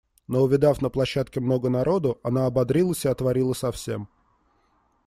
Но увидав на площадке много народу, она ободрилась и отворила совсем.